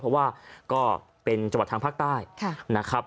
เพราะว่าก็เป็นจังหวัดทางภาคใต้นะครับ